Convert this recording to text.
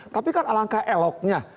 tapi kan alangkah eloknya